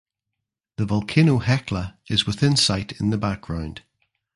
The volcano Hekla is within sight in the background.